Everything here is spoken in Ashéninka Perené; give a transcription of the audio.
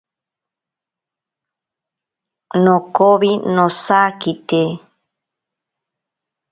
Nokowi nosakite.